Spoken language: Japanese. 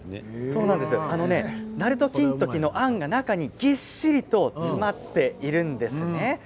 なると金時のあんが中にぎっしりと詰まっているんですね。